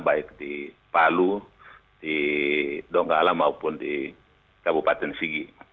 baik di palu di donggala maupun di kabupaten sigi